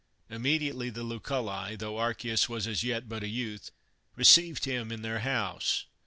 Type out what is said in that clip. Immediately the Luculli, tho Archias was as yet but a youth, received him in their house.